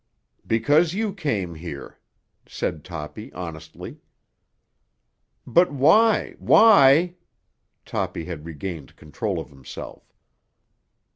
"Because you came here," said Toppy honestly. "But why—why——" Toppy had regained control of himself.